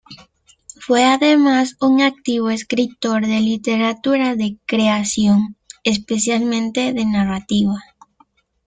Fue además un activo escritor de literatura de creación, especialmente de narrativa.